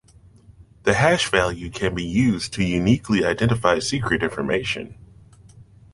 A hash value can be used to uniquely identify secret information.